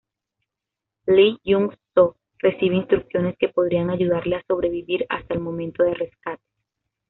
Lee Jung-soo recibe instrucciones que podrían ayudarle a sobrevivir hasta el momento de rescate.